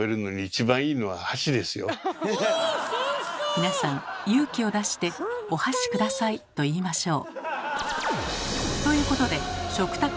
皆さん勇気を出して「お箸下さい」と言いましょう。